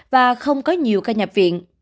và không có nhiều ca nhập viện